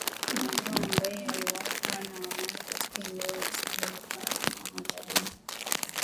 maeneo ambayo yaliwahi kuwa na amani katika eneo la Sahel huko Afrika magharibi